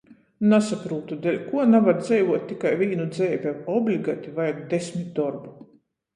Nasaprūtu, deļkuo navar dzeivuot tikai vīnu dzeivi, a obligati vajag desmit dorbu.